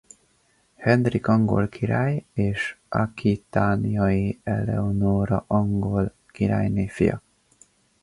Henrik angol király és Aquitániai Eleonóra angol királyné fia.